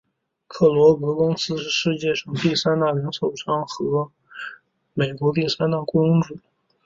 克罗格公司也是世界第三大零售商和美国第三大雇佣主。